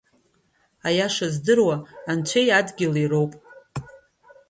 Аиаша здыруа Анцәеи адгьыли роуп.